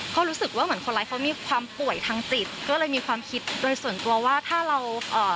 ก็รู้สึกว่าเหมือนคนร้ายเขามีความป่วยทางจิตก็เลยมีความคิดโดยส่วนตัวว่าถ้าเราเอ่อ